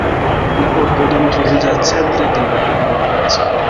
La urbodomo troviĝas centre de la urboplaco.